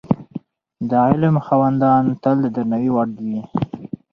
د علم خاوندان تل د درناوي وړ وي.